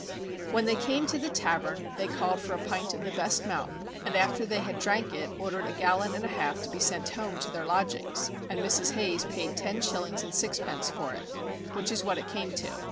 When they came to the tavern they called for a pint of the best mountain, and after they had drank it ordered a gallon and a half to be sent home to their lodgings, and Mrs. Hayes paid ten shillings and sixpence for it, which was what it came to.